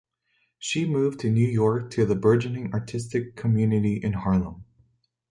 She moved to New York to the burgeoning artistic community in Harlem.